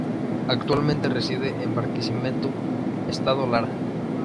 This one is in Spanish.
Actualmente reside en Barquisimeto, estado Lara.